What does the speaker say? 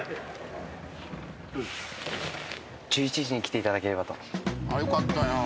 １１時に来ていただければと。